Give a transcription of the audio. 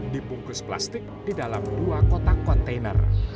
dibungkus plastik di dalam dua kotak kontainer